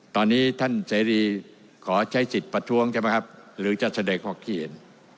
ตอนนี้ท่านเสรีขอใช้สิทธิ์ประท้วงใช่ไหมครับหรือจะแสดงความคิดเห็น